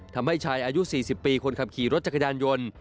ทำให้ชายอายุ๔๐ปีคนขับขี่รถจักรยานยนต์